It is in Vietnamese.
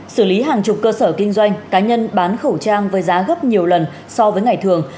xử lý hàng chục cơ sở kinh doanh cá nhân bán khẩu trang với giá gấp nhiều lần so với ngày thường